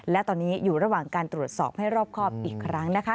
และตอนนี้อยู่ระหว่างการตรวจสอบให้รอบครอบอีกครั้งนะคะ